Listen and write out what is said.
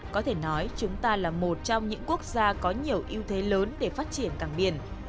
có thể nói chúng ta là một trong những quốc gia có nhiều ưu thế lớn để phát triển cảng biển